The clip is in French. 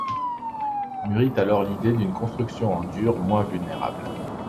Mûrit alors l'idée d'une construction en dur, moins vulnérable.